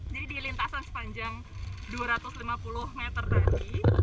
jadi di lintasan sepanjang dua ratus lima puluh meter tadi